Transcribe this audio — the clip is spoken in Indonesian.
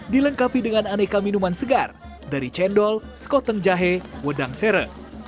dilengkapi dengan aneka minuman segar dari cendol skoteng jahe wedang sere